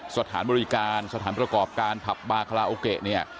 สถานบริการสถานประกอบการถับบาคลาโอเกะ